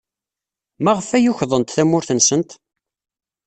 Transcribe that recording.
Maɣef ay ukḍent tamurt-nsent?